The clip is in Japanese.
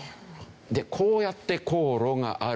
でこうやって航路がある。